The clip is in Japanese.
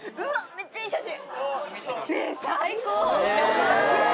めっちゃいい写真。